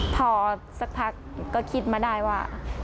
พอสักพักก็คิดมาได้ว่า